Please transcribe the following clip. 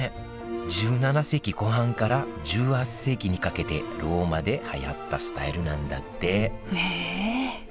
１７世紀後半から１８世紀にかけてローマではやったスタイルなんだってねえ